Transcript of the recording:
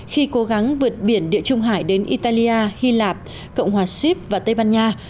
khi cố gắng vượt biển địa trung hải đến italia hy lạp cộng hòa sip và tây ban nha